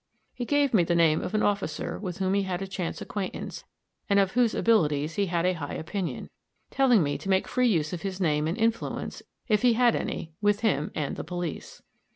He gave me the name of an officer with whom he had a chance acquaintance, and of whose abilities he had a high opinion; telling me to make free use of his name and influence, if he had any, with him, and the police.